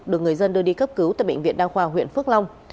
được người dân đưa đi cấp cứu tại bệnh viện đa khoa huyện phước long